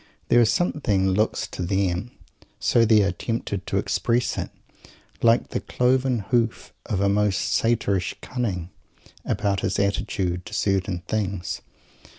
There is something that looks to them so they are tempted to express it like the cloven hoof of a most Satyrish cunning, about his attitude to certain things.